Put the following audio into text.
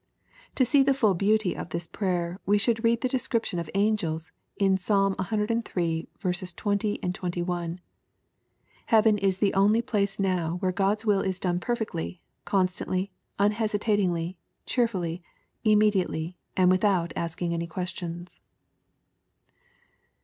] To see the full beauty of this prayer, we should read the description of angels, in Psalm ciii. 20, 21. Heaven is the only place now where God's will is done perfectly, constantly, unhesitatingly, cheerfully, inmie diately, and without asking any questions.